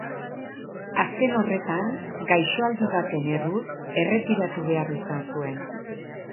Azken horretan, gaixoaldi baten erruz erretiratu behar izan zuen.